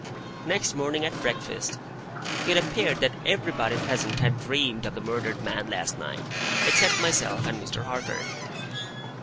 Next morning at breakfast, it appeared that everybody present had dreamed of the murdered man last night, except myself and Mr. Harker.